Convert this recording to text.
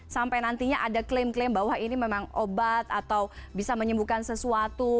sampai nantinya ada klaim klaim bahwa ini memang obat atau bisa menyembuhkan sesuatu